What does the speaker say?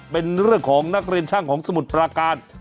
เป็นเรื่องของนักเรียนช่างของสมุทรปราการ